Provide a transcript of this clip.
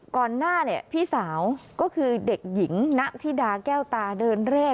ก่อนหน้าเนี่ยพี่สาวก็คือเด็กหญิงณธิดาแก้วตาเดินเร่